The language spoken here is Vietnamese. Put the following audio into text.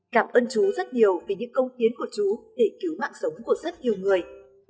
cảm ơn chú rất nhiều vì những công hiến của chú để cứu mạng sống của rất nhiều người